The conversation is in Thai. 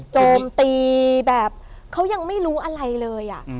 โจมตีแบบเขายังไม่รู้อะไรเลย